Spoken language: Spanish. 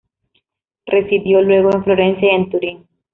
Residió luego en Florencia y en Turín.